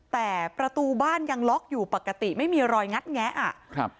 แต่ประตูบ้านยังล็อกอยู่ปกติไม่มีรอยงัดแงะอ่ะครับ